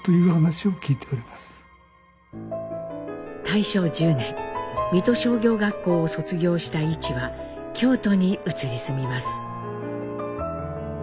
大正１０年水戸商業学校を卒業した一は京都に移り住みます。